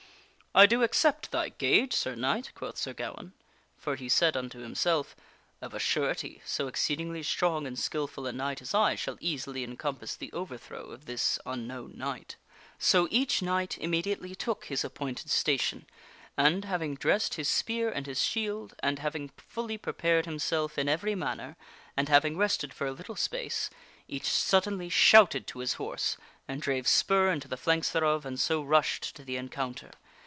" I do accept thy gage, Sir Knight," quoth Sir Gawaine. For he said unto himself, " Of a surety, so exceedingly strong and skilful a knight as I shall easily encompass the overthrow of this unknown knight." So each knight immediately took his appointed station, and having dressed his spear and his shield, and having fully prepared Xing Arthur himself in every manner, and having rested for a little space, ^^ s sir each suddenly shouted to his horse, and drave spur into the flanks thereof, and so rushed to the encounter.